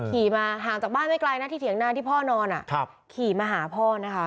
ขี่มาห่างจากบ้านไม่ไกลนะที่เถียงนานที่พ่อนอนขี่มาหาพ่อนะคะ